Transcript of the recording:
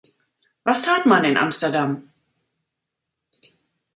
Was tat man in Amsterdam?